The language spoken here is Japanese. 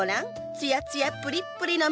ツヤツヤプリップリの実を。